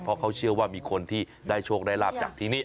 เพราะเขาเชื่อว่ามีคนที่ได้โชคได้ลาบจากที่นี่